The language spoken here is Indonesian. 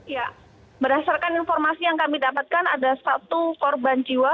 ya berdasarkan informasi yang kami dapatkan ada satu korban jiwa